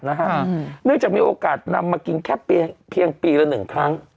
เนื่องจากมีโอกาสนำมากินแค่เพียงปีละ๑ครั้ง